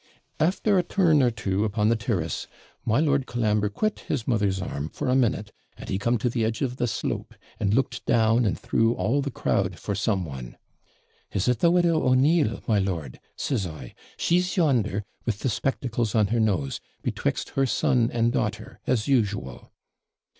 After a turn or two upon the TIRrass, my Lord Colambre QUIT his mother's arm for a minute, and he come to the edge of the slope, and looked down and through all the crowd for some one. 'Is it the widow O'Neill, my lord?' says I; 'she's yonder, with the spectacles on her nose, betwixt her son and daughter, as usual.'